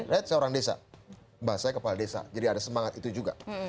right saya orang desa bahasanya kepala desa jadi ada semangat itu juga